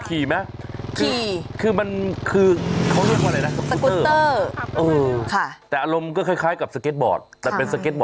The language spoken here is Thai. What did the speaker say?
ตอนดึกคุณยายก็นอนแล้ว